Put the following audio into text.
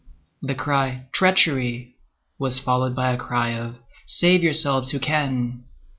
The cry "Treachery!" was followed by a cry of "Save yourselves who can!"